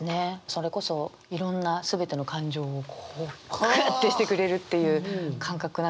それこそいろんな全ての感情をこうグッてしてくれるっていう感覚なんでしょうね。